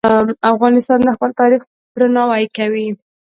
افغانستان د خپل تاریخ درناوی کوي.